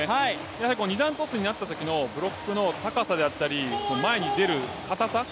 やはり２段コースになったときのブロックの高さであったり前に出るかたさ